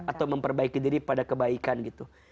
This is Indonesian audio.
atau memperbaiki diri pada kebaikan gitu